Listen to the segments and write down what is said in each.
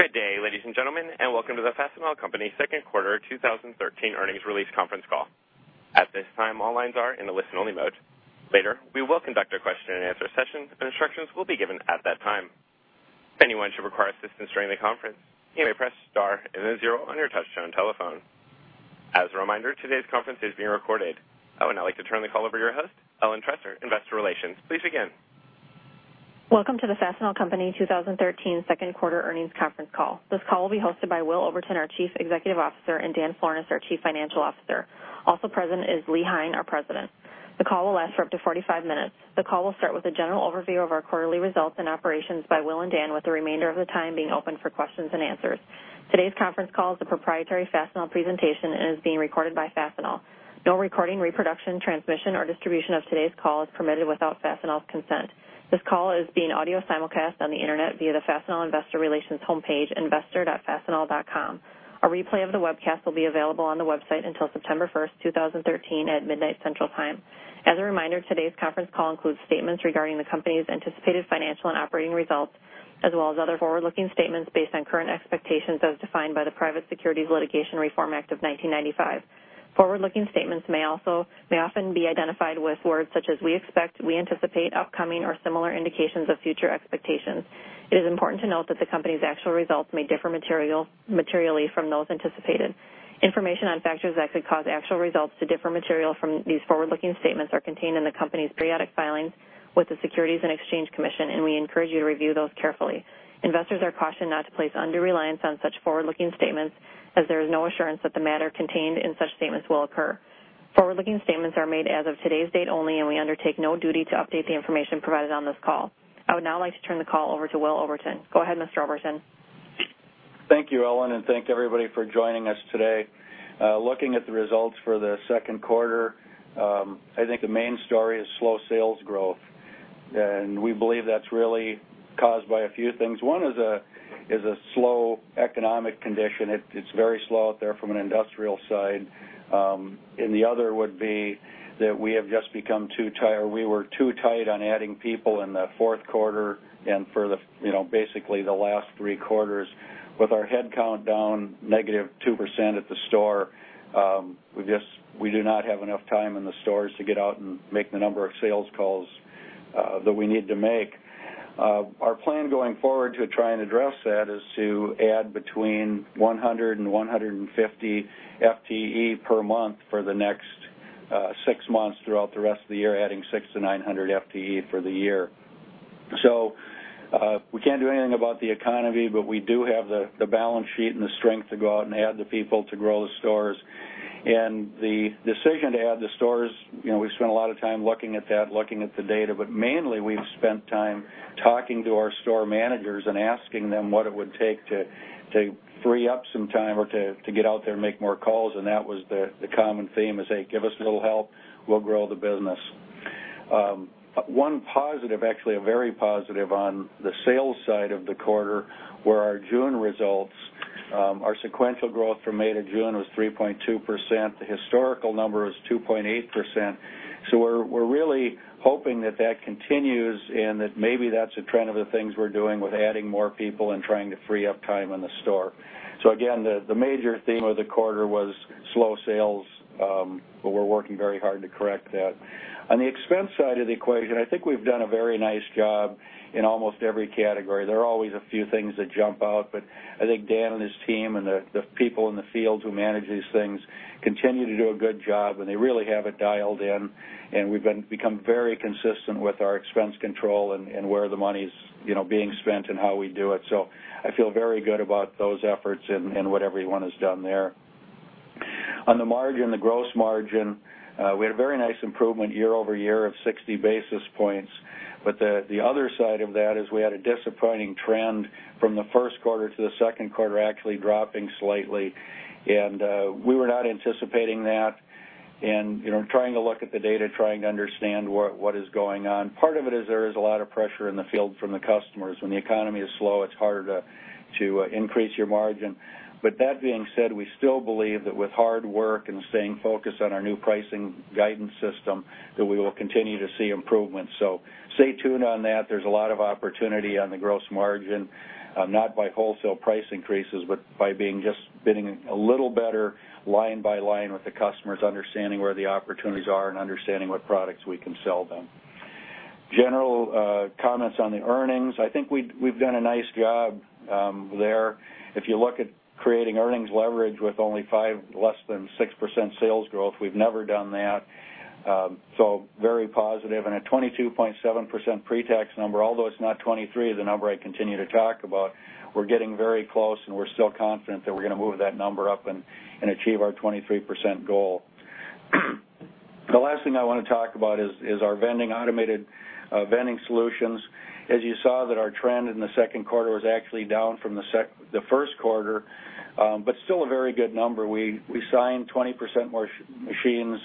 Good day, ladies and gentlemen, and welcome to the Fastenal Company second quarter 2013 earnings release conference call. At this time, all lines are in a listen-only mode. Later, we will conduct a question-and-answer session, and instructions will be given at that time. If anyone should require assistance during the conference, you may press star and then zero on your touch-tone telephone. As a reminder, today's conference is being recorded. I would now like to turn the call over to your host, Ellen Trester, Investor Relations. Please begin. Welcome to the Fastenal Company 2013 second quarter earnings conference call. This call will be hosted by Will Overton, our Chief Executive Officer, and Dan Flornes, our Chief Financial Officer. Also present is Lee Hein, our President. The call will last for up to 45 minutes. The call will start with a general overview of our quarterly results and operations by Will and Dan, with the remainder of the time being open for questions and answers. Today's conference call is a proprietary Fastenal presentation and is being recorded by Fastenal. No recording, reproduction, transmission, or distribution of today's call is permitted without Fastenal's consent. This call is being audio simulcast on the Internet via the Fastenal Investor Relations homepage, investor.fastenal.com. A replay of the webcast will be available on the website until September 1st, 2013, at midnight Central Time. As a reminder, today's conference call includes statements regarding the company's anticipated financial and operating results, as well as other forward-looking statements based on current expectations as defined by the Private Securities Litigation Reform Act of 1995. Forward-looking statements may often be identified with words such as "we expect," "we anticipate," "upcoming," or similar indications of future expectations. It is important to note that the company's actual results may differ materially from those anticipated. Information on factors that could cause actual results to differ material from these forward-looking statements are contained in the company's periodic filings with the Securities and Exchange Commission. We encourage you to review those carefully. Investors are cautioned not to place undue reliance on such forward-looking statements as there is no assurance that the matter contained in such statements will occur. Forward-looking statements are made as of today's date only. We undertake no duty to update the information provided on this call. I would now like to turn the call over to Will Oberton. Go ahead, Mr. Oberton. Thank you, Ellen, and thank everybody for joining us today. Looking at the results for the second quarter, I think the main story is slow sales growth, and we believe that's really caused by a few things. One is a slow economic condition. It's very slow out there from an industrial side. The other would be that we were too tight on adding people in the fourth quarter and for basically the last three quarters. With our headcount down negative 2% at the store, we do not have enough time in the stores to get out and make the number of sales calls that we need to make. Our plan going forward to try and address that is to add between 100 and 150 FTE per month for the next six months throughout the rest of the year, adding 600 to 900 FTE for the year. We can't do anything about the economy, but we do have the balance sheet and the strength to go out and add the people to grow the stores. The decision to add the stores, we've spent a lot of time looking at that, looking at the data, but mainly we've spent time talking to our store managers and asking them what it would take to free up some time or to get out there and make more calls, and that was the common theme is, "Hey, give us a little help. We'll grow the business." One positive, actually a very positive, on the sales side of the quarter were our June results. Our sequential growth from May to June was 3.2%. The historical number is 2.8%, and we're really hoping that that continues and that maybe that's a trend of the things we're doing with adding more people and trying to free up time in the store. Again, the major theme of the quarter was slow sales, but we're working very hard to correct that. On the expense side of the equation, I think we've done a very nice job in almost every category. There are always a few things that jump out, but I think Dan and his team and the people in the field who manage these things continue to do a good job, and they really have it dialed in, and we've become very consistent with our expense control and where the money's being spent and how we do it. I feel very good about those efforts and what everyone has done there. On the margin, the gross margin, we had a very nice improvement year-over-year of 60 basis points. The other side of that is we had a disappointing trend from the first quarter to the second quarter, actually dropping slightly. We were not anticipating that and trying to look at the data, trying to understand what is going on. Part of it is there is a lot of pressure in the field from the customers. When the economy is slow, it's harder to increase your margin. That being said, we still believe that with hard work and staying focused on our new pricing guidance system, that we will continue to see improvements. Stay tuned on that. There's a lot of opportunity on the gross margin, not by wholesale price increases, but by just being a little better line by line with the customers, understanding where the opportunities are and understanding what products we can sell them. General comments on the earnings, I think we've done a nice job there. If you look at creating earnings leverage with only 5%, less than 6% sales growth, we've never done that, very positive. A 22.7% pretax number, although it's not 23, the number I continue to talk about, we're getting very close, and we're still confident that we're going to move that number up and achieve our 23% goal. The last thing I want to talk about is our vending, automated vending solutions, as you saw that our trend in the second quarter was actually down from the first quarter but still a very good number. We signed 20% more machines,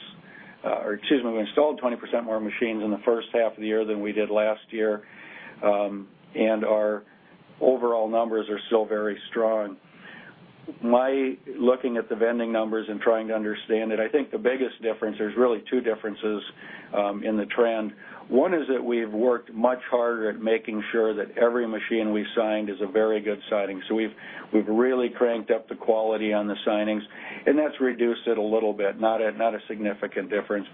or excuse me, we installed 20% more machines in the first half of the year than we did last year, and our overall numbers are still very strong. My looking at the vending numbers and trying to understand it, I think the biggest difference, there's really two differences in the trend. One is that we've worked much harder at making sure that every machine we've signed is a very good signing. We've really cranked up the quality on the signings, and that's reduced it a little bit, not a significant difference.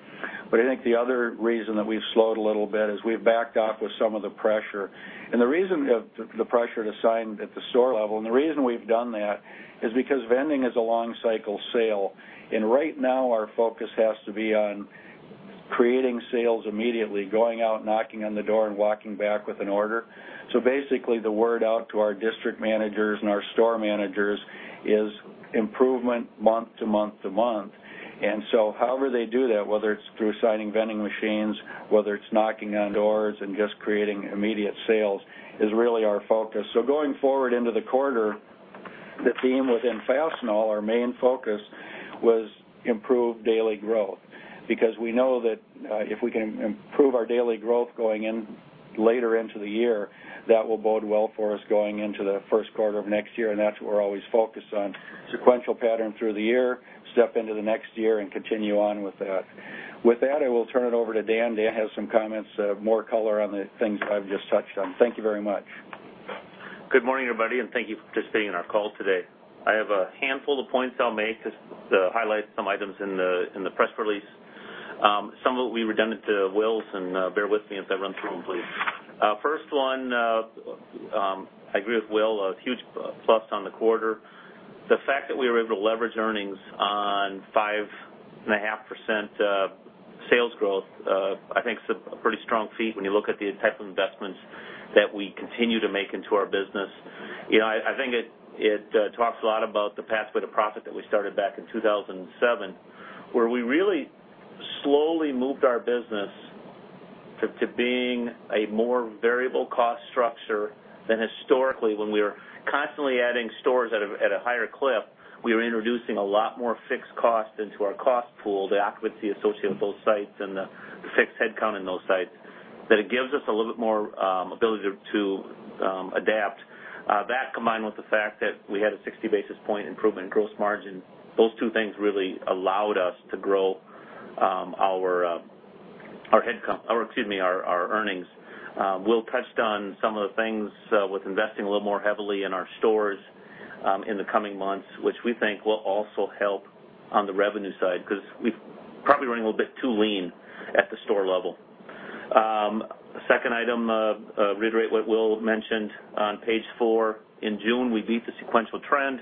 I think the other reason that we've slowed a little bit is we've backed off with some of the pressure. The reason the pressure to sign at the store level, and the reason we've done that is because vending is a long cycle sale. Right now, our focus has to be on creating sales immediately, going out, knocking on the door, and walking back with an order. Basically, the word out to our district managers and our store managers is improvement month to month to month. However they do that, whether it's through signing vending machines, whether it's knocking on doors and just creating immediate sales, is really our focus. Going forward into the quarter, the theme within Fastenal, our main focus was improve daily growth, because we know that if we can improve our daily growth going in later into the year, that will bode well for us going into the first quarter of next year, and that's what we're always focused on, sequential pattern through the year, step into the next year and continue on with that. With that, I will turn it over to Dan. Dan has some comments, more color on the things I've just touched on. Thank you very much. Good morning, everybody. Thank you for participating in our call today. I have a handful of points I'll make just to highlight some items in the press release. Some will be redundant to Will's. Bear with me as I run through them, please. First one, I agree with Will, a huge plus on the quarter. The fact that we were able to leverage earnings on 5.5% sales growth, I think is a pretty strong feat when you look at the type of investments that we continue to make into our business. I think it talks a lot about the Pathway to Profit that we started back in 2007, where we really slowly moved our business to being a more variable cost structure than historically when we were constantly adding stores at a higher clip. We were introducing a lot more fixed cost into our cost pool, the occupancy associated with those sites and the fixed headcount in those sites, that it gives us a little bit more ability to adapt. That combined with the fact that we had a 60 basis point improvement in gross margin, those two things really allowed us to grow our earnings. Will touched on some of the things with investing a little more heavily in our stores in the coming months, which we think will also help on the revenue side because we've probably running a little bit too lean at the store level. Second item, reiterate what Will mentioned on Page 4. In June, we beat the sequential trend.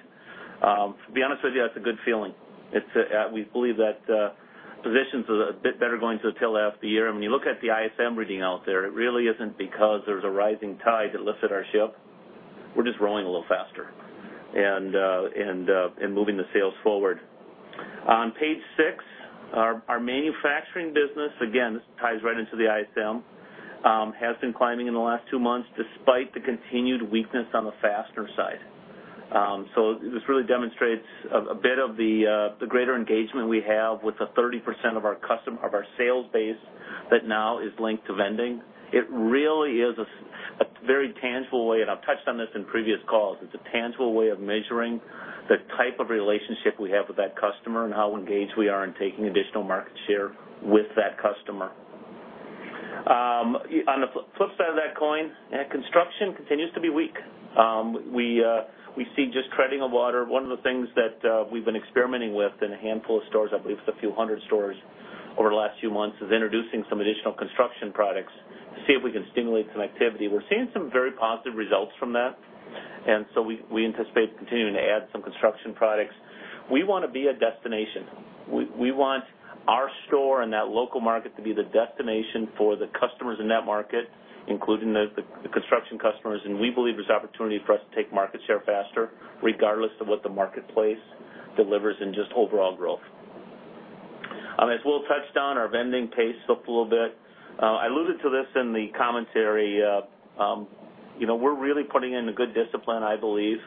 To be honest with you, that's a good feeling. We believe that positions a bit better going to the tail end of the year. When you look at the ISM reading out there, it really isn't because there's a rising tide that lifted our ship. We're just rowing a little faster and moving the sales forward. On Page 6, our manufacturing business, again, this ties right into the ISM, has been climbing in the last two months despite the continued weakness on the fastener side. This really demonstrates a bit of the greater engagement we have with the 30% of our sales base that now is linked to vending. It really is a very tangible way. I've touched on this in previous calls. It's a tangible way of measuring the type of relationship we have with that customer and how engaged we are in taking additional market share with that customer. On the flip side of that coin, construction continues to be weak. We see just treading of water. One of the things that we've been experimenting with in a handful of stores, I believe it's a few hundred stores over the last few months, is introducing some additional construction products to see if we can stimulate some activity. We're seeing some very positive results from that. We anticipate continuing to add some construction products. We want to be a destination. We want our store and that local market to be the destination for the customers in that market, including the construction customers. We believe there's opportunity for us to take market share faster, regardless of what the marketplace delivers in just overall growth. As Will touched on, our vending pace up a little bit. I alluded to this in the commentary. We're really putting in a good discipline, I believe,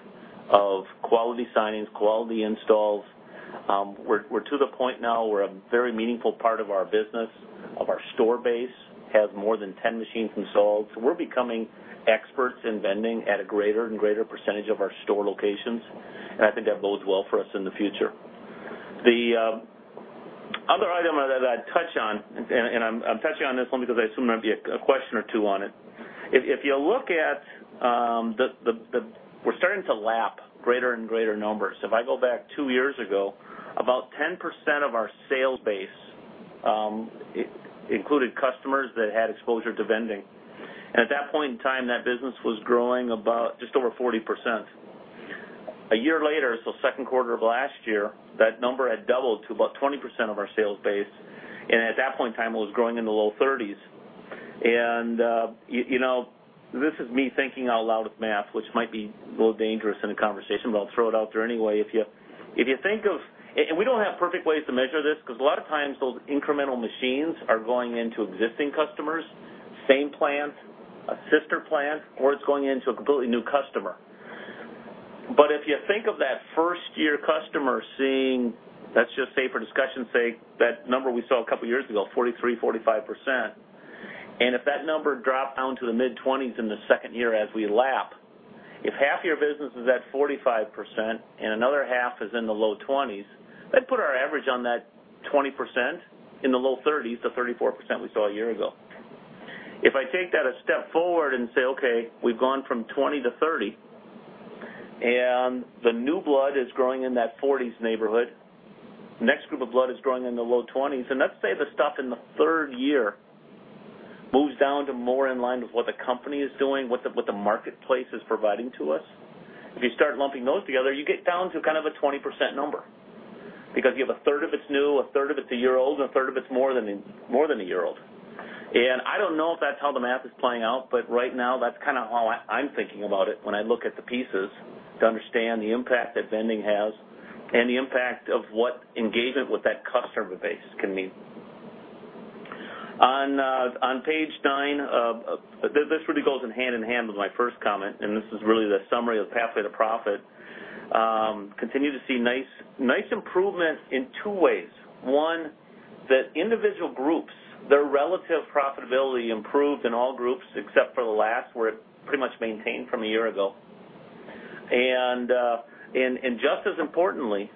of quality signings, quality installs. We're to the point now where a very meaningful part of our business, of our store base, has more than 10 machines installed. We're becoming experts in vending at a greater and greater percentage of our store locations, and I think that bodes well for us in the future. The other item that I'd touch on, and I'm touching on this one because I assume there might be a question or two on it. We're starting to lap greater and greater numbers. If I go back two years ago, about 10% of our sales base included customers that had exposure to vending. At that point in time, that business was growing about just over 40%. A year later, second quarter of last year, that number had doubled to about 20% of our sales base, and at that point in time, it was growing in the low 30s. This is me thinking out loud with math, which might be a little dangerous in a conversation, but I'll throw it out there anyway. We don't have perfect ways to measure this because a lot of times those incremental machines are going into existing customers, same plant, a sister plant, or it's going into a completely new customer. If you think of that first-year customer seeing, let's just say for discussion sake, that number we saw a couple of years ago, 43%, 45%. If that number dropped down to the mid-20s in the second year as we lap, if half your business is at 45% and another half is in the low 20s, that'd put our average on that 20% in the low 30s to 34% we saw a year ago. If I take that a step forward and say, okay, we've gone from 20 to 30, and the new blood is growing in that 40s neighborhood. Next group of blood is growing in the low 20s, and let's say the stuff in the third year moves down to more in line with what the company is doing, what the marketplace is providing to us. If you start lumping those together, you get down to kind of a 20% number, because you have a third of it's new, a third of it's a year old, and a third of it's more than a year old. I don't know if that's how the math is playing out, but right now, that's kind of how I'm thinking about it when I look at the pieces to understand the impact that vending has and the impact of what engagement with that customer base can mean. On page nine, this really goes hand-in-hand with my first comment, and this is really the summary of the Pathway to Profit. Continue to see nice improvement in two ways. One, that individual groups, their relative profitability improved in all groups except for the last, where it pretty much maintained from a year ago. Just as importantly,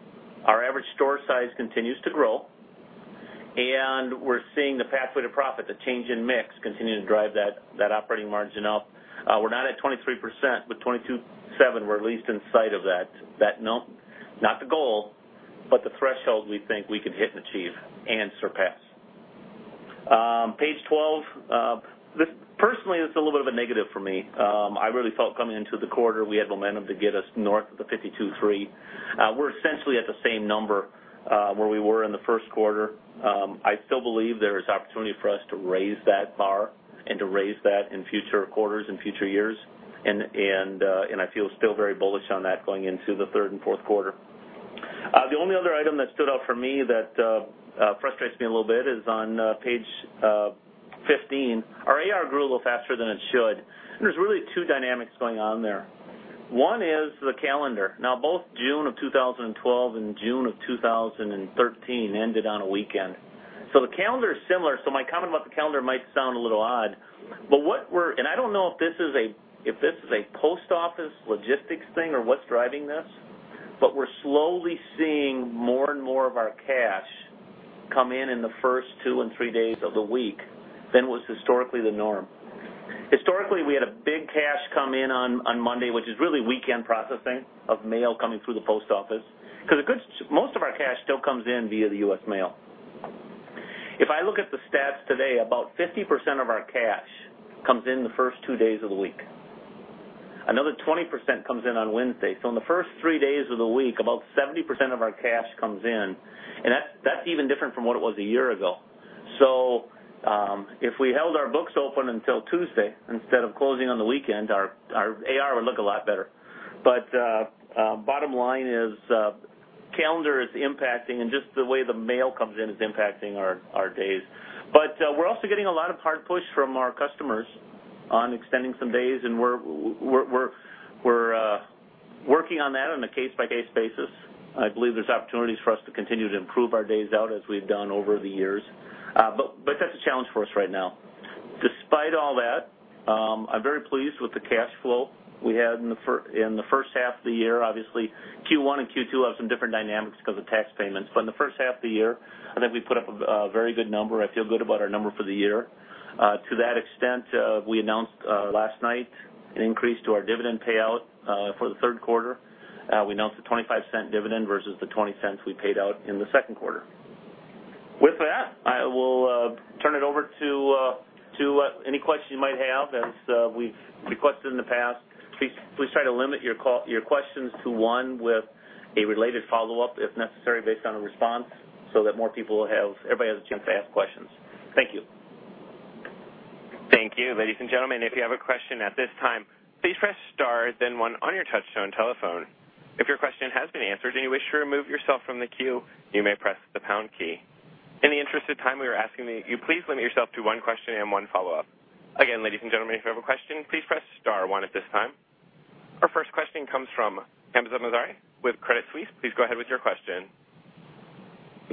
our average store size continues to grow, and we're seeing the Pathway to Profit, the change in mix, continuing to drive that operating margin up. We're not at 23%, but 22.7%. We're at least in sight of that. Not the goal, but the threshold we think we can hit and achieve and surpass. Page 12. Personally, it's a little bit of a negative for me. I really felt coming into the quarter, we had momentum to get us north of the 52.3%. We're essentially at the same number where we were in the first quarter. I still believe there is opportunity for us to raise that bar and to raise that in future quarters and future years, and I feel still very bullish on that going into the third and fourth quarter. The only other item that stood out for me that frustrates me a little bit is on page 15. Our AR grew a little faster than it should, and there's really two dynamics going on there. One is the calendar. Now, both June of 2012 and June of 2013 ended on a weekend. The calendar is similar, so my comment about the calendar might sound a little odd. I don't know if this is a post office logistics thing or what's driving this, but we're slowly seeing more and more of our cash come in in the first two and three days of the week than was historically the norm. Historically, we had a big cash come in on Monday, which is really weekend processing of mail coming through the post office, because most of our cash still comes in via the U.S. mail. If I look at the stats today, about 50% of our cash comes in the first two days of the week. Another 20% comes in on Wednesday. In the first three days of the week, about 70% of our cash comes in, and that's even different from what it was a year ago. If we held our books open until Tuesday instead of closing on the weekend, our AR would look a lot better. Bottom line is calendar is impacting and just the way the mail comes in is impacting our days. We're also getting a lot of hard push from our customers on extending some days, and we're working on that on a case-by-case basis. I believe there's opportunities for us to continue to improve our days out as we've done over the years. That's a challenge for us right now. Despite all that, I'm very pleased with the cash flow we had in the first half of the year. Obviously, Q1 and Q2 have some different dynamics because of tax payments. In the first half of the year, I think we put up a very good number. I feel good about our number for the year. To that extent, we announced last night an increase to our dividend payout for the third quarter. We announced a $0.25 dividend versus the $0.20 we paid out in the second quarter. With that, I will turn it over to any questions you might have. As we've requested in the past, please try to limit your questions to one with a related follow-up if necessary based on a response so that everybody has a chance to ask questions. Thank you. Thank you. Ladies and gentlemen, if you have a question at this time, please press * then 1 on your touchtone telephone. If your question has been answered and you wish to remove yourself from the queue, you may press the # key. In the interest of time, we are asking that you please limit yourself to one question and one follow-up. Again, ladies and gentlemen, if you have a question, please press *1 at this time. Our first question comes from Hamzah Mazari with Credit Suisse. Please go ahead with your question.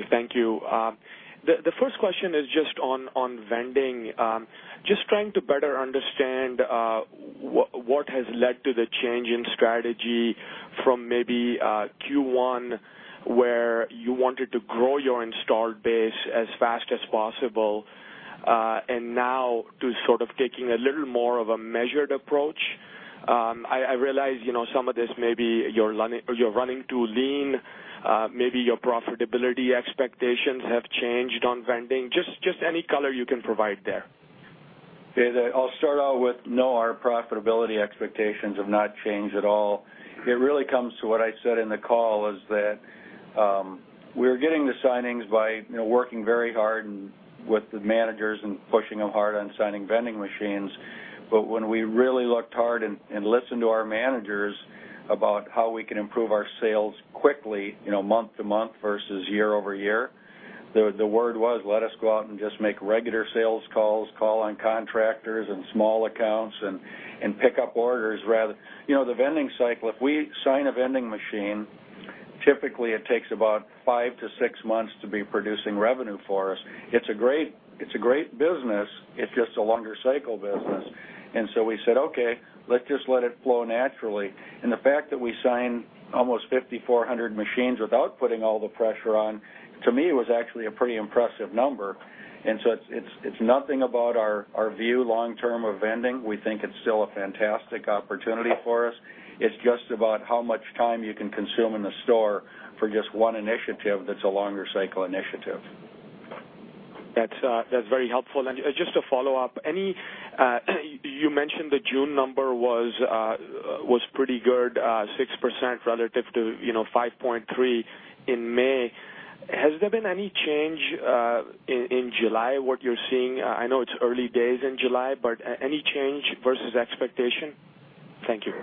Thank you. The first question is just on vending. Just trying to better understand what has led to the change in strategy from maybe Q1, where you wanted to grow your installed base as fast as possible, now to sort of taking a little more of a measured approach. I realize some of this may be you're running too lean. Maybe your profitability expectations have changed on vending. Just any color you can provide there. Okay. I'll start out with no, our profitability expectations have not changed at all. It really comes to what I said in the call, is that we're getting the signings by working very hard with the managers and pushing them hard on signing vending machines. When we really looked hard and listened to our managers about how we can improve our sales quickly month-to-month versus year-over-year, the word was let us go out and just make regular sales calls, call on contractors and small accounts, and pick up orders. The vending cycle, if we sign a vending machine Typically, it takes about five to six months to be producing revenue for us. It's a great business. It's just a longer cycle business. We said, "Okay, let's just let it flow naturally." The fact that we signed almost 5,400 machines without putting all the pressure on, to me, was actually a pretty impressive number. It's nothing about our view long-term of vending. We think it's still a fantastic opportunity for us. It's just about how much time you can consume in the store for just one initiative that's a longer cycle initiative. That's very helpful. Just to follow up, you mentioned the June number was pretty good, 6% relative to 5.3% in May. Has there been any change in July, what you're seeing? I know it's early days in July, but any change versus expectation? Thank you.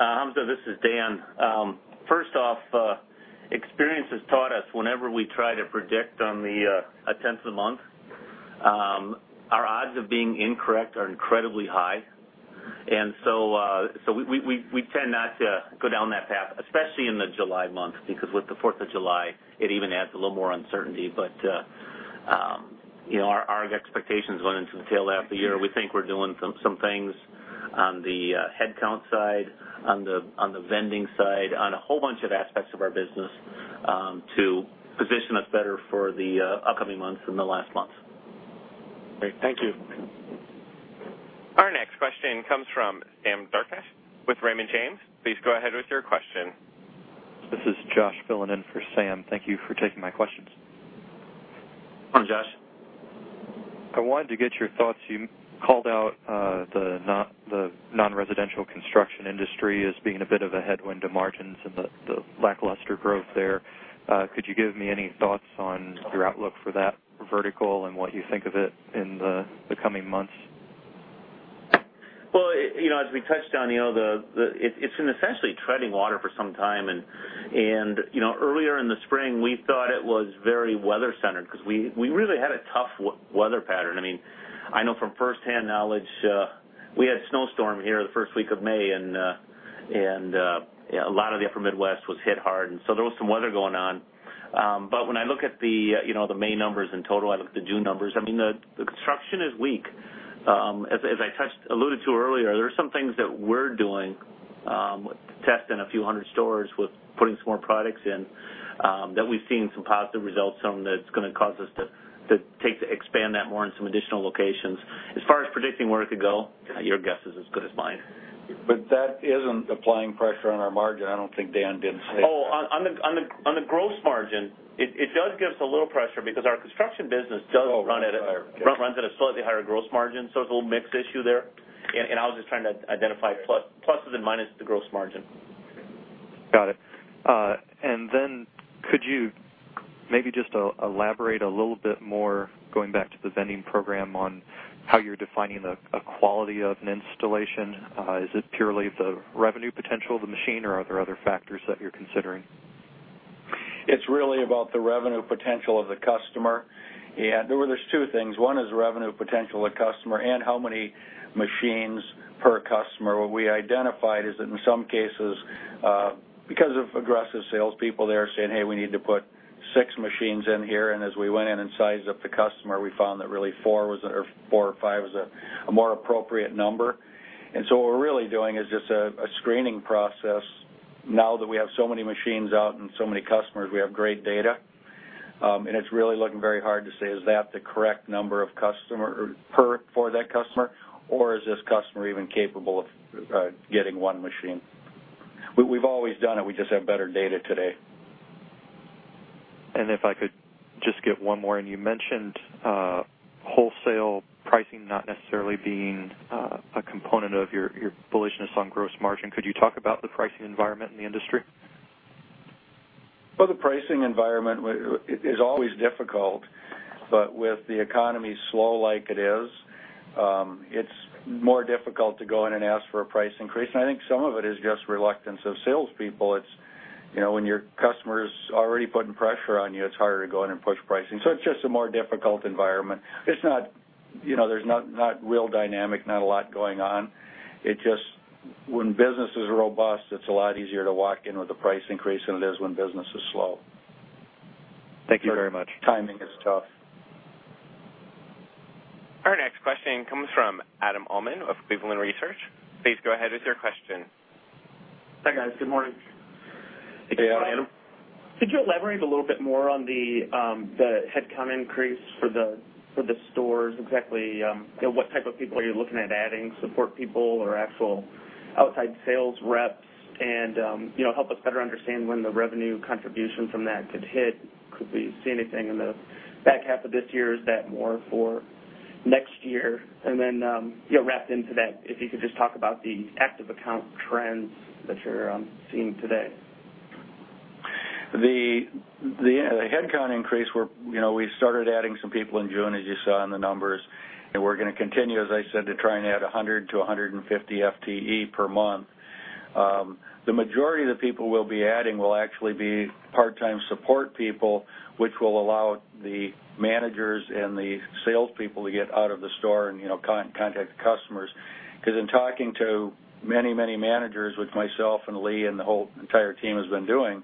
Hamzah, this is Dan. First off, experience has taught us whenever we try to predict on the tenth a month, our odds of being incorrect are incredibly high. So we tend not to go down that path, especially in the July month, because with the Fourth of July, it even adds a little more uncertainty. Our expectations going into the tail end of the year, we think we're doing some things on the headcount side, on the vending side, on a whole bunch of aspects of our business, to position us better for the upcoming months than the last months. Great. Thank you. Our next question comes from Sam Darkatsh with Raymond James. Please go ahead with your question. This is Josh filling in for Sam. Thank you for taking my questions. Hi, Josh. I wanted to get your thoughts. You called out the non-residential construction industry as being a bit of a headwind to margins and the lackluster growth there. Could you give me any thoughts on your outlook for that vertical and what you think of it in the coming months? Well, as we touched on, it's been essentially treading water for some time, and earlier in the spring, we thought it was very weather-centered because we really had a tough weather pattern. I know from firsthand knowledge, we had a snowstorm here the first week of May, and a lot of the Upper Midwest was hit hard, and so there was some weather going on. When I look at the May numbers in total, I look at the June numbers, the construction is weak. As I alluded to earlier, there are some things that we're doing, testing a few 100 stores with putting some more products in, that we've seen some positive results from that's going to cause us to expand that more in some additional locations. As far as predicting where it could go, your guess is as good as mine. That isn't applying pressure on our margin. I don't think Dan didn't say that. On the gross margin, it does give us a little pressure because our construction business does run. Right. Okay. runs at a slightly higher gross margin, so it's a little mixed issue there. I was just trying to identify pluses and minuses to gross margin. Got it. Could you maybe just elaborate a little bit more, going back to the vending program, on how you're defining the quality of an installation? Is it purely the revenue potential of the machine, or are there other factors that you're considering? It's really about the revenue potential of the customer. Well, there's two things. One is revenue potential of the customer and how many machines per customer. What we identified is that in some cases, because of aggressive salespeople there saying, "Hey, we need to put six machines in here," and as we went in and sized up the customer, we found that really four or five was a more appropriate number. What we're really doing is just a screening process. Now that we have so many machines out and so many customers, we have great data, and it's really looking very hard to say, "Is that the correct number for that customer, or is this customer even capable of getting one machine?" We've always done it. We just have better data today. If I could just get one more in. You mentioned wholesale pricing not necessarily being a component of your bullishness on gross margin. Could you talk about the pricing environment in the industry? Well, the pricing environment is always difficult, but with the economy slow like it is, it's more difficult to go in and ask for a price increase. I think some of it is just reluctance of salespeople. When your customer's already putting pressure on you, it's harder to go in and push pricing. It's just a more difficult environment. There's not real dynamic, not a lot going on. It's just when business is robust, it's a lot easier to walk in with a price increase than it is when business is slow. Thank you very much. Timing is tough. Our next question comes from Adam Uhlman of Cleveland Research. Please go ahead with your question. Hi, guys. Good morning. Thank you. Adam. Help us better understand when the revenue contribution from that could hit. Could we see anything in the back half of this year? Is that more for next year? Wrapped into that, if you could just talk about the active account trends that you're seeing today. The headcount increase, we started adding some people in June, as you saw in the numbers, and we're going to continue, as I said, to try and add 100 to 150 FTE per month. The majority of the people we'll be adding will actually be part-time support people, which will allow the managers and the salespeople to get out of the store and contact the customers. In talking to many, many managers, which myself and Lee and the whole entire team has been doing,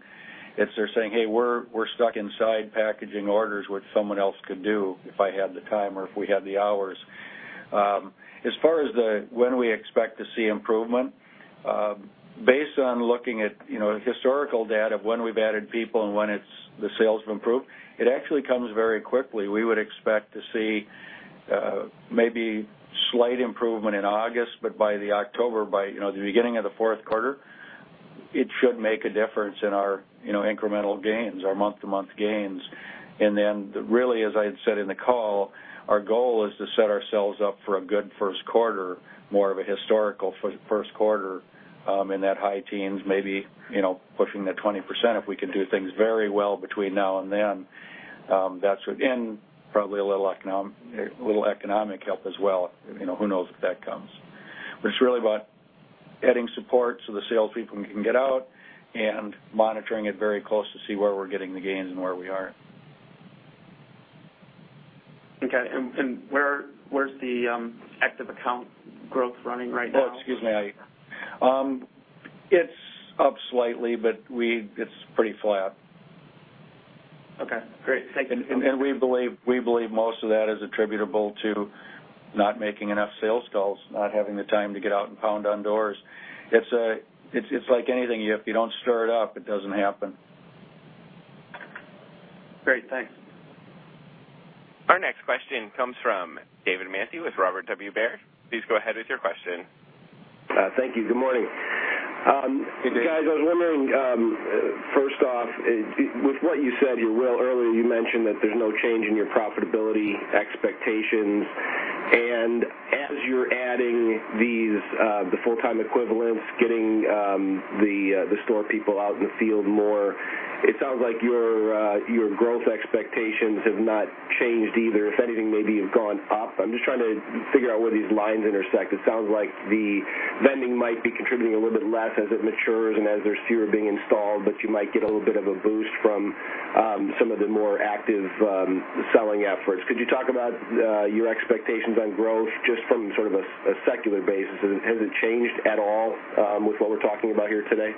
it's they're saying, "Hey, we're stuck inside packaging orders, which someone else could do if I had the time or if we had the hours." As far as when we expect to see improvement, based on looking at historical data of when we've added people and when the sales have improved, it actually comes very quickly. We would expect to see maybe slight improvement in August, but by October, by the beginning of the fourth quarter, it should make a difference in our incremental gains, our month-to-month gains. Really, as I had said in the call, our goal is to set ourselves up for a good first quarter, more of a historical first quarter, in that high teens, maybe pushing to 20% if we can do things very well between now and then. That's within probably a little economic help as well. Who knows if that comes. It's really about adding support so the salespeople can get out and monitoring it very close to see where we're getting the gains and where we are. Okay. Where's the active account growth running right now? Oh, excuse me. It's up slightly, but it's pretty flat. Okay, great. Thank you. We believe most of that is attributable to not making enough sales calls, not having the time to get out and pound on doors. It's like anything. If you don't stir it up, it doesn't happen. Great, thanks. Our next question comes from David Manthey with Robert W. Baird. Please go ahead with your question. Thank you. Good morning. Hey, David. Guys, I was wondering, first off, with what you said, Will, earlier, you mentioned that there's no change in your profitability expectations. As you're adding the full-time equivalents, getting the store people out in the field more, it sounds like your growth expectations have not changed either. If anything, maybe have gone up. I'm just trying to figure out where these lines intersect. It sounds like the vending might be contributing a little bit less as it matures and as there's fewer being installed, but you might get a little bit of a boost from some of the more active selling efforts. Could you talk about your expectations on growth just from sort of a secular basis? Has it changed at all with what we're talking about here today?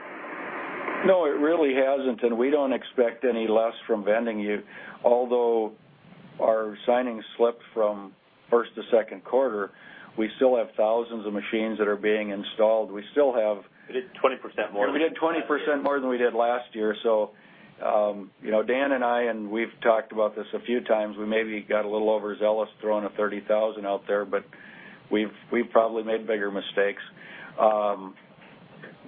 It really hasn't, and we don't expect any less from vending. Although our signings slipped from first to second quarter, we still have thousands of machines that are being installed. We still have- We did 20% more. We did 20% more than we did last year. Dan and I, and we've talked about this a few times, we maybe got a little overzealous throwing a 30,000 out there, but we've probably made bigger mistakes.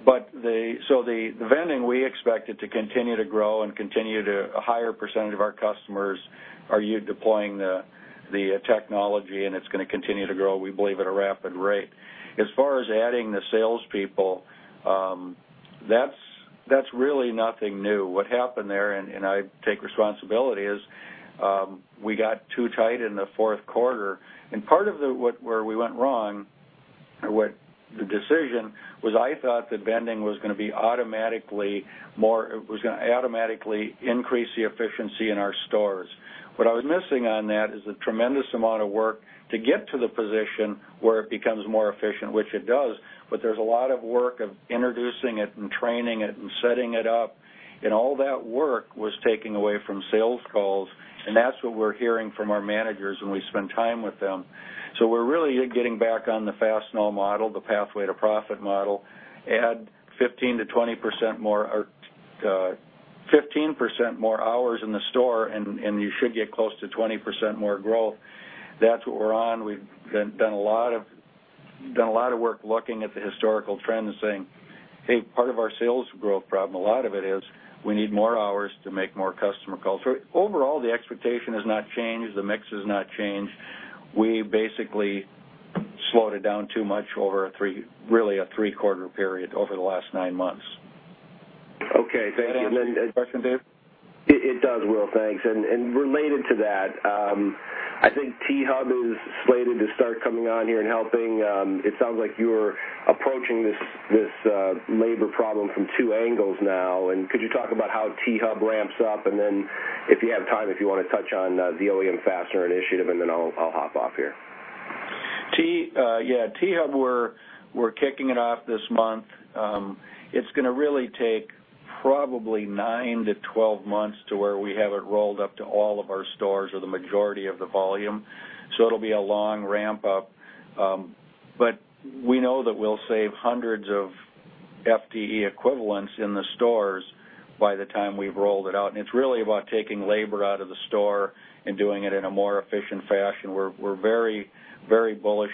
The vending, we expect it to continue to grow and continue to a higher percentage of our customers are deploying the technology, and it's going to continue to grow, we believe, at a rapid rate. As far as adding the salespeople, that's really nothing new. What happened there, and I take responsibility, is we got too tight in the fourth quarter. And part of where we went wrong, or the decision, was I thought that vending was going to automatically increase the efficiency in our stores. What I was missing on that is the tremendous amount of work to get to the position where it becomes more efficient, which it does, but there's a lot of work of introducing it and training it and setting it up. All that work was taking away from sales calls, and that's what we're hearing from our managers when we spend time with them. We're really getting back on the Fastenal model, the Pathway to Profit model. Add 15% more hours in the store, and you should get close to 20% more growth. That's what we're on. We've done a lot of work looking at the historical trends saying, "Hey, part of our sales growth problem, a lot of it is we need more hours to make more customer calls." Overall, the expectation has not changed. The mix has not changed. We basically slowed it down too much over, really, a three-quarter period over the last nine months. Okay. Thank you. Does that answer your question, Dave? It does, Will, thanks. Related to that, I think T-Hub is slated to start coming on here and helping. It sounds like you're approaching this labor problem from two angles now. Could you talk about how T-Hub ramps up? Then if you have time, if you want to touch on the OEM fastener initiative, then I'll hop off here. Yeah. T-Hub, we're kicking it off this month. It's going to really take probably 9 to 12 months to where we have it rolled up to all of our stores or the majority of the volume. It'll be a long ramp-up. We know that we'll save hundreds of FTE equivalents in the stores by the time we've rolled it out. It's really about taking labor out of the store and doing it in a more efficient fashion. We're very bullish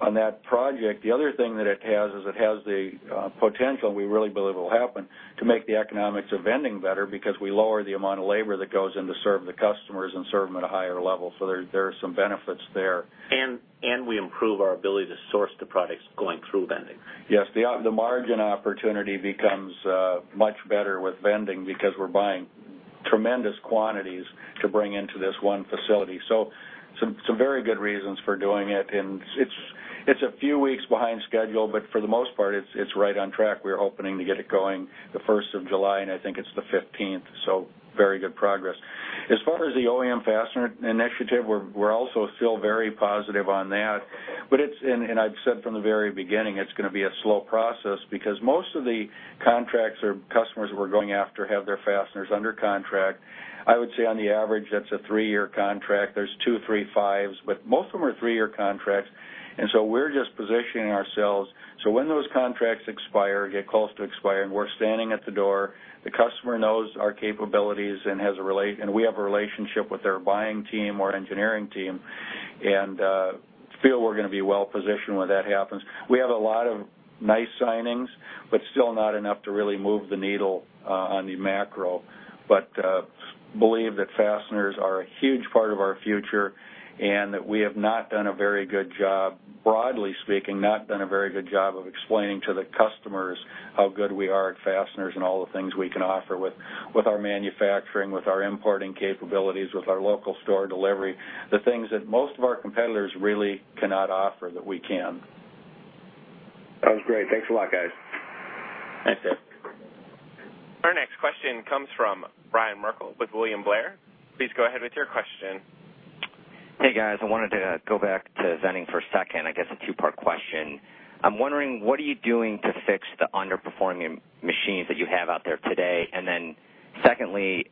on that project. The other thing that it has is it has the potential, we really believe it will happen, to make the economics of vending better because we lower the amount of labor that goes in to serve the customers and serve them at a higher level. There are some benefits there. We improve our ability to source the products going through vending. Yes. The margin opportunity becomes much better with vending because we're buying tremendous quantities to bring into this one facility. Some very good reasons for doing it, and it's a few weeks behind schedule, but for the most part, it's right on track. We're opening to get it going the 1st of July, and I think it's the 15th. Very good progress. As far as the OEM fastener initiative, we're also still very positive on that. I've said from the very beginning, it's going to be a slow process because most of the contracts or customers we're going after have their fasteners under contract. I would say on the average, that's a three-year contract. There's 2, 3, 5s, but most of them are three-year contracts. We're just positioning ourselves so when those contracts expire or get close to expiring, we're standing at the door, the customer knows our capabilities, and we have a relationship with their buying team or engineering team, and feel we're going to be well-positioned when that happens. We have a lot of nice signings, but still not enough to really move the needle on the macro, but believe that fasteners are a huge part of our future and that we have not done a very good job, broadly speaking, not done a very good job of explaining to the customers how good we are at fasteners and all the things we can offer with our manufacturing, with our importing capabilities, with our local store delivery, the things that most of our competitors really cannot offer that we can. That was great. Thanks a lot, guys. Thanks, David. Our next question comes from Ryan Merkel with William Blair. Please go ahead with your question. Hey, guys. I wanted to go back to vending for a second. I guess a two-part question. I'm wondering, what are you doing to fix the underperforming machines that you have out there today? Secondly,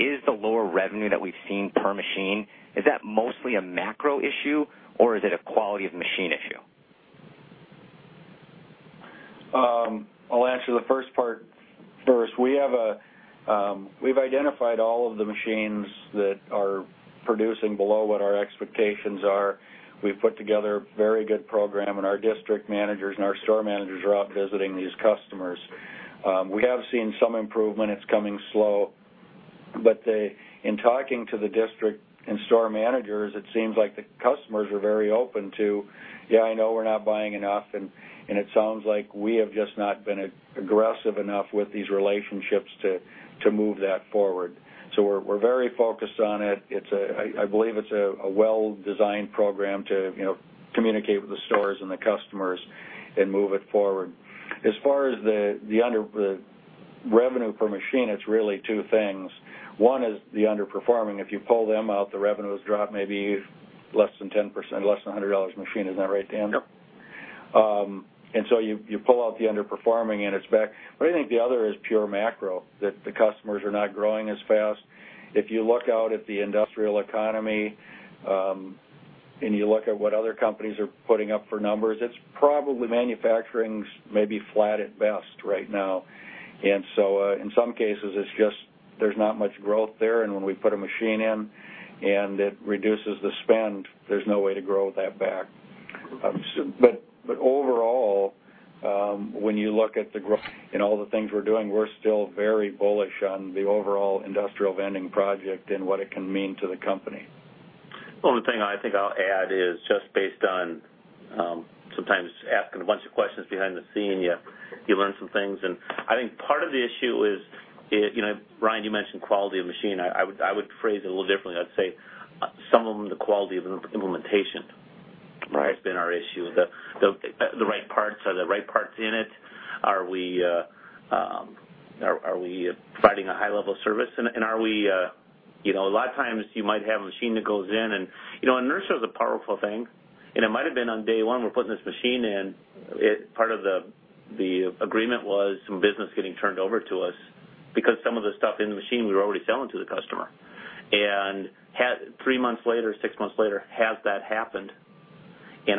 is the lower revenue that we've seen per machine, is that mostly a macro issue, or is it a quality of machine issue? I'll answer the first part first. We've identified all of the machines that are producing below what our expectations are. We've put together a very good program, our district managers and our store managers are out visiting these customers. We have seen some improvement. It's coming slow. In talking to the district and store managers, it seems like the customers are very open to, "Yeah, I know we're not buying enough." It sounds like we have just not been aggressive enough with these relationships to move that forward. We're very focused on it. I believe it's a well-designed program to communicate with the stores and the customers and move it forward. As far as the revenue per machine, it's really two things. One is the underperforming. If you pull them out, the revenues drop maybe less than 10%, less than $100 a machine. Isn't that right, Dan? Yep. You pull out the underperforming and it's back. I think the other is pure macro, that the customers are not growing as fast. If you look out at the industrial economy, and you look at what other companies are putting up for numbers, it's probably manufacturing's maybe flat at best right now. In some cases, there's not much growth there, and when we put a machine in and it reduces the spend, there's no way to grow that back. Overall, when you look at the growth and all the things we're doing, we're still very bullish on the overall industrial vending project and what it can mean to the company. Well, the thing I think I'll add is just based on sometimes asking a bunch of questions behind the scene, you learn some things, and I think part of the issue is, Ryan, you mentioned quality of machine. I would phrase it a little differently. I'd say some of them, the quality of implementation- Right has been our issue. The right parts. Are the right parts in it? Are we providing a high level of service? A lot of times you might have a machine that goes in and inertia is a powerful thing, and it might've been on day one, we're putting this machine in, part of the agreement was some business getting turned over to us because some of the stuff in the machine we were already selling to the customer. Three months later, 6 months later, has that happened? Am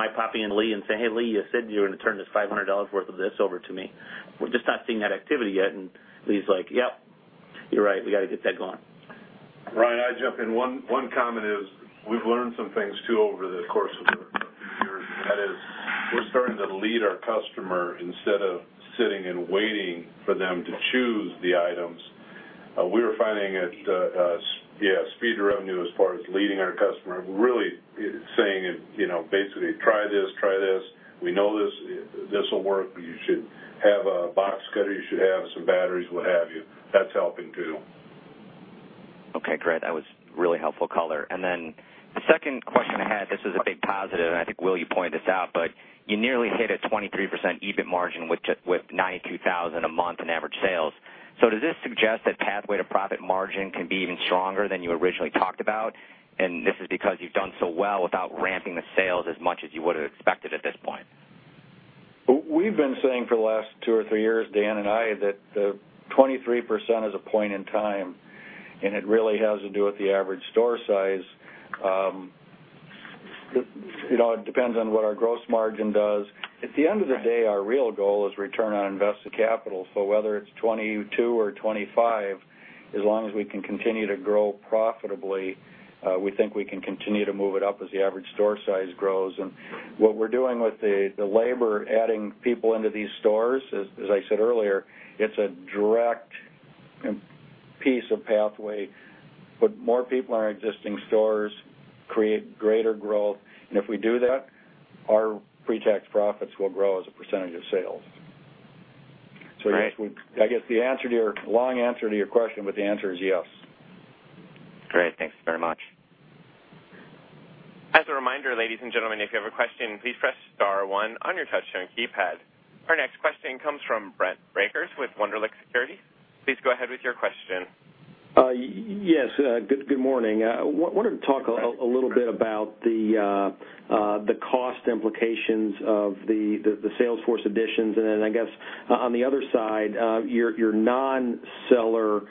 I popping in Lee and saying, "Hey, Lee, you said you were going to turn this $500 worth of this over to me. We're just not seeing that activity yet." Lee's like, "Yep, you're right. We got to get that going. Ryan, I'd jump in. One comment is we've learned some things, too, over the course of a few years, and that is we're starting to lead our customer instead of sitting and waiting for them to choose the items. We were finding at Speed to Revenue, as far as leading our customer, really saying, basically, "Try this, try this. We know this will work, but you should have a box cutter, you should have some batteries, what have you." That's helping, too. Okay, great. That was really helpful color. The second question I had, this was a big positive, and I think, Will, you pointed this out, but you nearly hit a 23% EBIT margin with 92,000 a month in average sales. Does this suggest that Pathway to Profit margin can be even stronger than you originally talked about, and this is because you've done so well without ramping the sales as much as you would've expected at this point? We've been saying for the last two or three years, Dan and I, that the 23% is a point in time, and it really has to do with the average store size. It depends on what our gross margin does. At the end of the day, our real goal is return on invested capital. Whether it's 22 or 25, as long as we can continue to grow profitably, we think we can continue to move it up as the average store size grows. What we're doing with the labor, adding people into these stores, as I said earlier, it's a direct piece of Pathway. Put more people in our existing stores, create greater growth, and if we do that, our pre-tax profits will grow as a percentage of sales. Great. I guess the long answer to your question, but the answer is yes. Great. Thanks very much. Reminder, ladies and gentlemen, if you have a question, please press star one on your touch-tone keypad. Our next question comes from Brent Rakers with Wunderlich Securities. Please go ahead with your question. Yes. Good morning. I wanted to talk a little bit about the cost implications of the sales force additions and then I guess, on the other side, your non-seller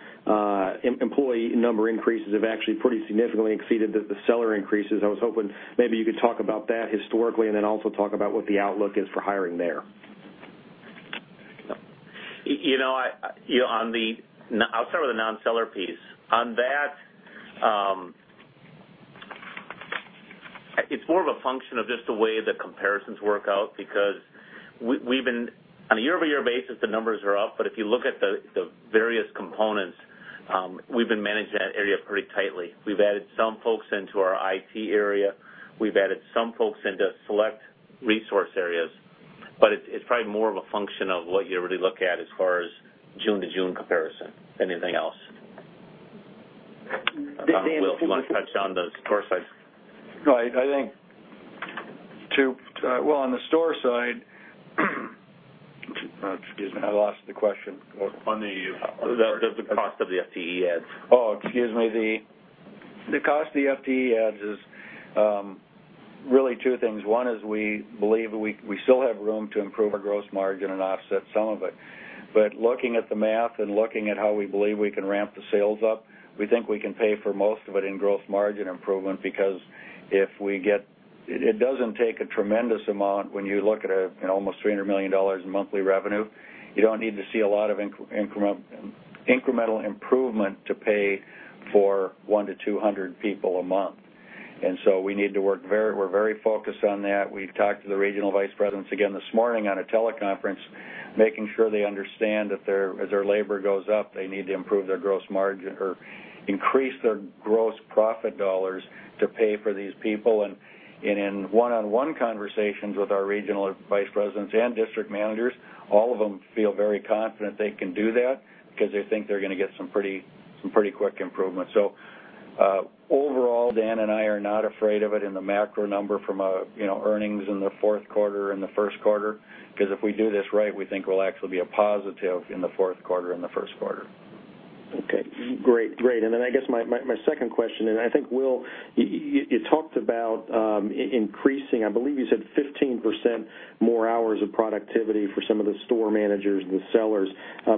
employee number increases have actually pretty significantly exceeded the seller increases. I was hoping maybe you could talk about that historically and then also talk about what the outlook is for hiring there. I'll start with the non-seller piece. On that, it's more of a function of just the way the comparisons work out because on a year-over-year basis, the numbers are up. If you look at the various components, we've been managing that area pretty tightly. We've added some folks into our IT area. We've added some folks into select resource areas. It's probably more of a function of what you already look at as far as June to June comparison than anything else. I don't know, Will, do you want to touch on the store side? Right. Well, on the store side excuse me, I lost the question. On the cost of the FTE adds. Oh, excuse me. The cost of the FTE adds is really two things. One is we believe we still have room to improve our gross margin and offset some of it. Looking at the math and looking at how we believe we can ramp the sales up, we think we can pay for most of it in gross margin improvement because it doesn't take a tremendous amount when you look at almost $300 million in monthly revenue. You don't need to see a lot of incremental improvement to pay for 1-200 people a month. We're very focused on that. We've talked to the Regional Vice Presidents again this morning on a teleconference, making sure they understand that as their labor goes up, they need to improve their gross margin or increase their gross profit dollars to pay for these people. In one-on-one conversations with our Regional Vice Presidents and District Managers, all of them feel very confident they can do that because they think they're going to get some pretty quick improvements. Overall, Dan and I are not afraid of it in the macro number from earnings in the fourth quarter and the first quarter, because if we do this right, we think it will actually be a positive in the fourth quarter and the first quarter. Okay. Great. I guess my second question, I think, Will, you talked about increasing, I believe you said 15% more hours of productivity for some of the Store Managers and the sellers.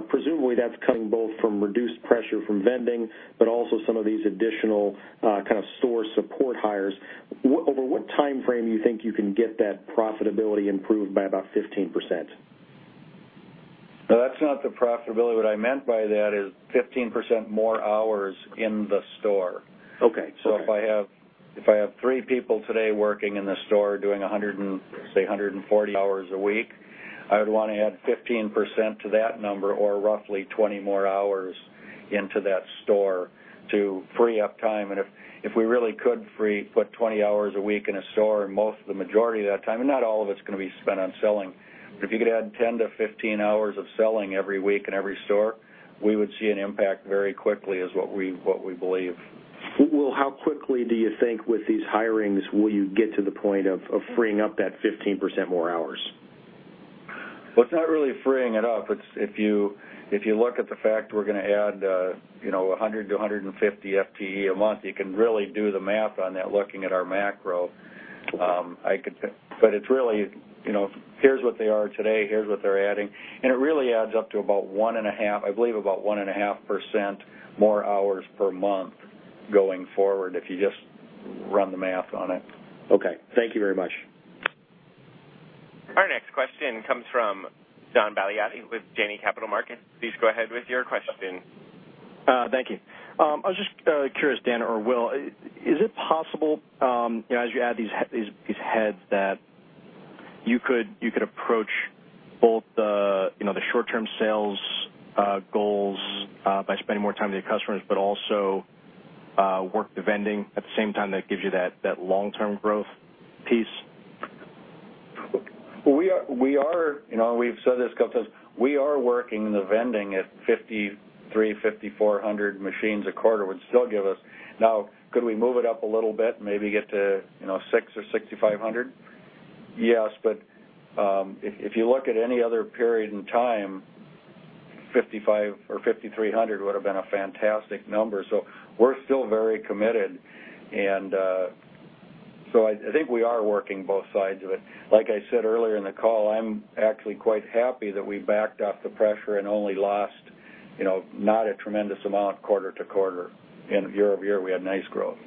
Presumably, that's coming both from reduced pressure from vending, also some of these additional kind of store support hires. Over what timeframe do you think you can get that profitability improved by about 15%? No, that's not the profitability. What I meant by that is 15% more hours in the store. Okay. If I have 3 people today working in the store doing, say, 140 hours a week, I would want to add 15% to that number or roughly 20 more hours into that store to free up time. If we really could put 20 hours a week in a store and most of the majority of that time, and not all of it's going to be spent on selling, if you could add 10-15 hours of selling every week in every store, we would see an impact very quickly is what we believe. Will, how quickly do you think with these hirings will you get to the point of freeing up that 15% more hours? It's not really freeing it up. If you look at the fact we're going to add 100-150 FTE a month, you can really do the math on that looking at our macro. Here's what they are today, here's what they're adding, it really adds up to, I believe, about 1.5% more hours per month going forward, if you just run the math on it. Thank you very much. Our next question comes from Don Baliotti with Janney Capital Market. Please go ahead with your question. Thank you. I was just curious, Dan or Will, is it possible, as you add these heads, that you could approach both the short-term sales goals by spending more time with your customers, but also work the vending at the same time that gives you that long-term growth piece? We've said this a couple times. We are working the vending at 5,300, 5,400 machines a quarter would still give us. Could we move it up a little bit, maybe get to 6,000 or 6,500? Yes, but if you look at any other period in time, 5,500 or 5,300 would've been a fantastic number. We're still very committed. I think we are working both sides of it. Like I said earlier in the call, I'm actually quite happy that we backed off the pressure and only lost not a tremendous amount quarter-to-quarter. Year-over-year, we had nice growth.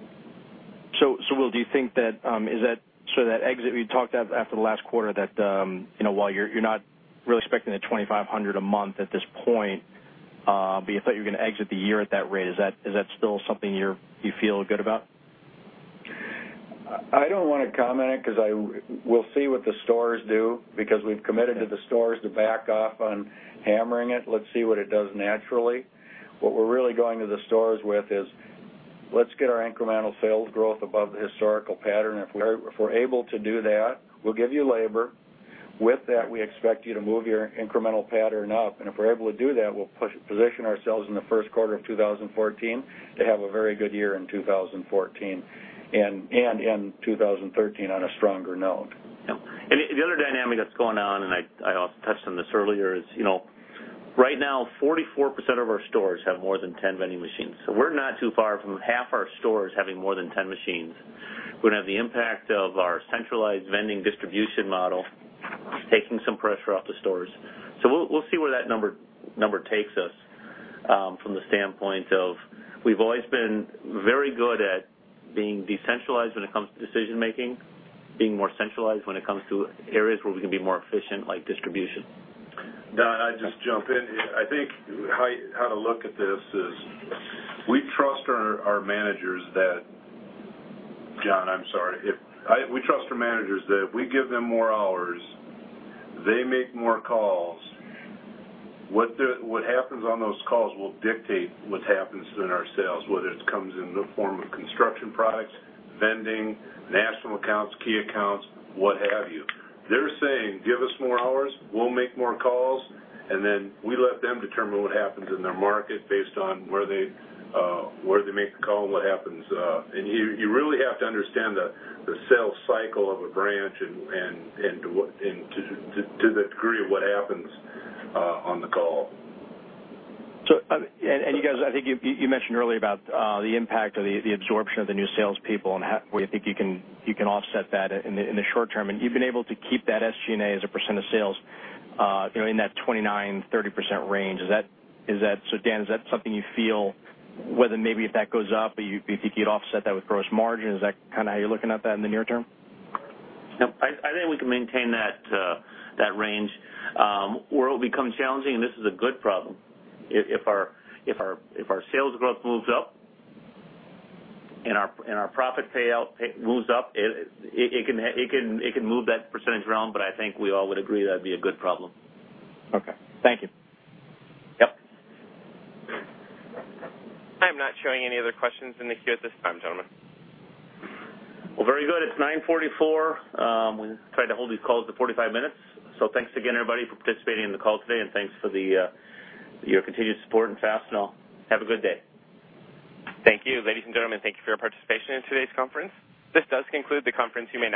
Will, that exit we talked after the last quarter that while you're not really expecting the 2,500 a month at this point, but you thought you were going to exit the year at that rate, is that still something you feel good about? I don't want to comment because we'll see what the stores do because we've committed to the stores to back off on hammering it. Let's see what it does naturally. What we're really going to the stores with is, let's get our incremental sales growth above the historical pattern. If we're able to do that, we'll give you labor With that, we expect you to move your incremental pattern up. If we're able to do that, we'll position ourselves in the first quarter of 2014 to have a very good year in 2014, and end 2013 on a stronger note. Yep. The other dynamic that's going on, and I also touched on this earlier, is right now 44% of our stores have more than 10 vending machines. We're not too far from half our stores having more than 10 machines. We're going to have the impact of our centralized vending distribution model taking some pressure off the stores. We'll see where that number takes us from the standpoint of, we've always been very good at being decentralized when it comes to decision-making, being more centralized when it comes to areas where we can be more efficient, like distribution. Don, I'd just jump in here. I think how to look at this is, we trust our managers that John, I'm sorry. We trust our managers that if we give them more hours, they make more calls. What happens on those calls will dictate what happens in our sales, whether it comes in the form of construction products, vending, national accounts, key accounts, what have you. They're saying, "Give us more hours, we'll make more calls," then we let them determine what happens in their market based on where they make the call and what happens. You really have to understand the sales cycle of a branch and to the degree of what happens on the call. You guys, I think you mentioned earlier about the impact of the absorption of the new salespeople and where you think you can offset that in the short term. You've been able to keep that SG&A as a % of sales in that 29, 30% range. Dan, is that something you feel, whether maybe if that goes up, you think you'd offset that with gross margin? Is that how you're looking at that in the near term? Yep. I think we can maintain that range. Where it'll become challenging, and this is a good problem, if our sales growth moves up and our profit payout moves up, it can move that percentage around, but I think we all would agree that'd be a good problem. Okay. Thank you. Yep. I am not showing any other questions in the queue at this time, gentlemen. Well, very good. It's 9:44 A.M. We try to hold these calls to 45 minutes. Thanks again, everybody, for participating in the call today, and thanks for your continued support in Fastenal. Have a good day. Thank you. Ladies and gentlemen, thank you for your participation in today's conference. This does conclude the conference. You may disconnect